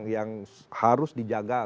yang harus dijaga